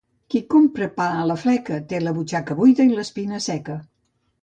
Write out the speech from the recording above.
Qui compra pa de fleca té la butxaca buida i l'espina seca.